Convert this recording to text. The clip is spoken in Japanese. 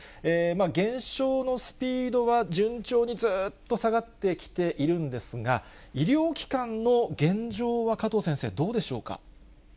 減少のスピードは順調にずっと下がってきているんですが、医療機関の現状は、加藤先生、どうでしょうか。